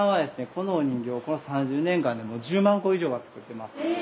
このお人形をこの３０年間で１０万個以上は作ってます。